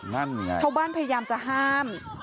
ชาวบ้านพยายามจะห้าม